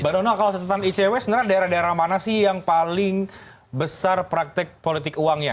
mbak donal kalau catatan icw sebenarnya daerah daerah mana sih yang paling besar praktek politik uangnya